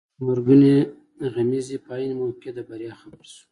د مرګونې غمیزې په عین موقع د بریا خبر شو.